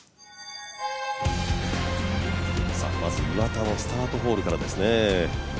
まず岩田のスタートホールからですね。